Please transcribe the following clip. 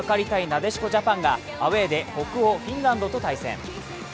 なでしこジャパンがアウェーで北欧フィンランドと対戦。